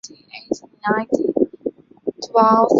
包括肌肉和海绵组织。